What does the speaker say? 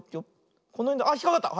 このへんであっひっかかった！